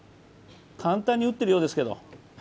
簡単に打ってるようですけど。